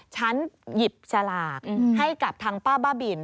ฉันหยิบสลากให้กับทางป้าบ้าบิน